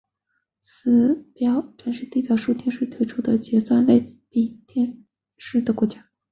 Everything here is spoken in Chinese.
此表显示地面数位电视的推出和结束类比电视的国家。